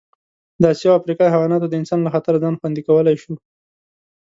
د اسیا او افریقا حیواناتو د انسان له خطره ځان خوندي کولی شو.